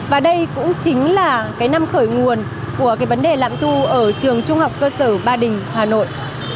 và đây cũng chính là cái năm khởi nguồn của cái vấn đề lạm thu ở trường trung học cơ sở ba đình hà nội